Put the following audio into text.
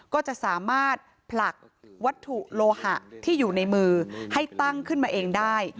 ก็จะสามารถผลักวัตถุโลหะที่อยู่ในมือให้ตั้งขึ้นมาเองได้